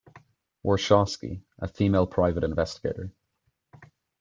Warshawski, a female private investigator.